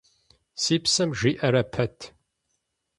Си псэм жиӀарэ пэт…